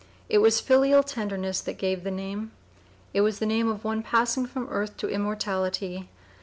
It was filial tenderness that gave the name. It was the name of one passing from earth to immortality.